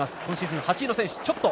今シーズン、８位の選手。